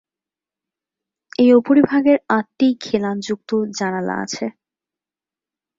এই উপরিভাগের আটটি খিলানযুক্ত জানালা আছে।